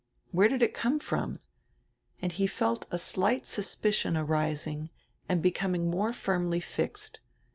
Where did it come from? And he felt a slight suspicion arising and hecoming more firmly fixed.